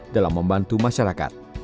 dalam membantu masyarakat